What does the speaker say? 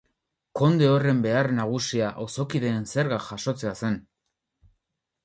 Konde horren behar nagusia auzokideen zergak jasotzea zen.